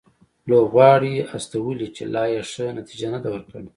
لوبغاړي استولي چې لا یې ښه نتیجه نه ده ورکړې